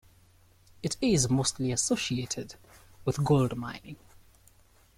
It is mostly associated with gold mining.